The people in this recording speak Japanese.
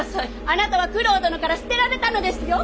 あなたは九郎殿から捨てられたのですよ。